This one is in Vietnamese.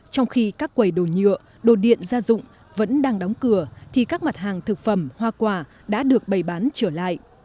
trong khi các quầy đồ nhựa đồ điện gia dụng vẫn đang đóng cửa thì các mặt hàng thực phẩm hoa quả đã được bày bán trở lại